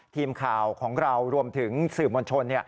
ทีมข่าวของเรารวมถึงสื่อมวลชน